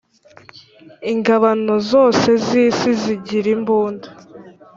ingabano zose z isi zigirimbunda.